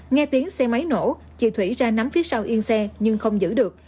nghe tiếng xe máy nổ chị thủy ra nắm phía sau yên xe nhưng không giữ được